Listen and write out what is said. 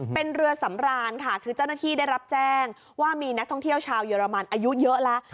เป็นเรือสำรานค่ะคือเจ้าหน้าที่ได้รับแจ้งว่ามีนักท่องเที่ยวชาวเยอรมันอายุเยอะแล้ว